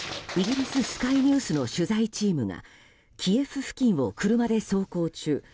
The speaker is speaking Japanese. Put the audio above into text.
イギリス、スカイ・ニュースの取材チームがキエフ付近を車で走行中